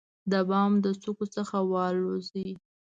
د بام د څوکو څخه والوزي،